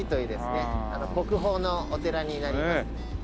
国宝のお寺になります。